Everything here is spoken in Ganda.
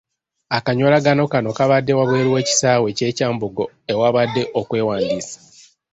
Akanyolagano kano kabadde wabweru w'ekisaawe ky'e Kyambogo ewabadde okwewandiisa.